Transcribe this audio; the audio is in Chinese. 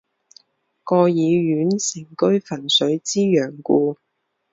盖以县城居汾水之阳故。